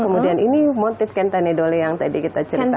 kemudian ini motif kenta nedole yang tadi kita ceritakan